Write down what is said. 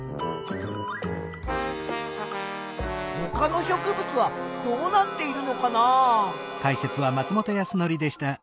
ほかの植物はどうなっているのかな？